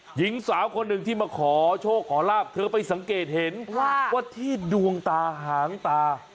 หญิงสาวคนหนึ่งที่มาขอโชคขอลาบเธอไปสังเกตเห็นว่าที่ดวงตาหางตา